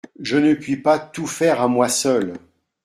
Je ne puis pas tout faire à moi seul.